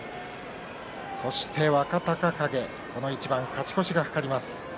そして、若隆景この一番に勝ち越しが懸かります。